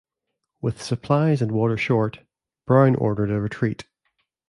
With supplies and water short, Brown ordered a retreat.